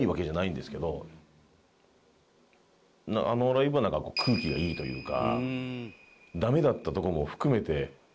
あのライブはなんかこう空気がいいというか。